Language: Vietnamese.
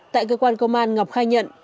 tại cơ quan công an ngọc khai nhận